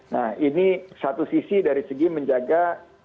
nah ini satu sisi dari segi menjaga